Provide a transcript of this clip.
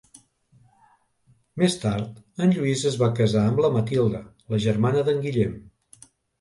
Més tard en Lluís es va casar amb la Matilda, la germana d'en Guillem.